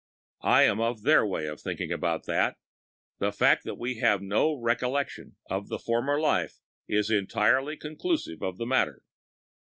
I am of their way of thinking about that. The fact that we have no recollection of a former life is entirely conclusive of the matter.